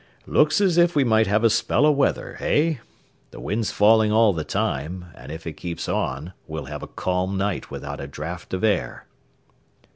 "Looks as if we might have a spell o' weather, hey? The wind's falling all the time, and if it keeps on, we'll have a calm night without a draught of air."